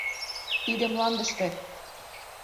Тиде — мландыште.